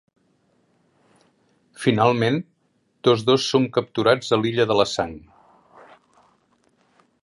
Finalment, tots dos són capturats a l'Illa de la Sang.